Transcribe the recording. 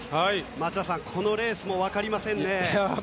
松田さん、このレースも分かりませんね。